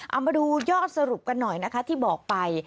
เอามาดูยอดสรุปกันหน่อยนะคะที่บอกไป